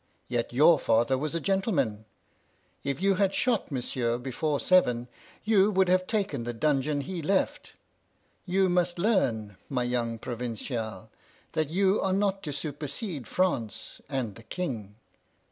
Yet your father was a gentleman! If you had shot monsieur before seven, you would have taken the dungeon he left. You must learn, my young provincial, that you are not to supersede France and the King.